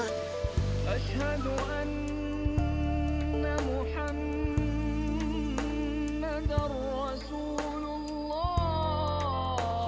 asyhadu anna muhammadan rasulullah